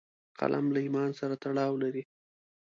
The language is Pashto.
قلم له ایمان سره تړاو لري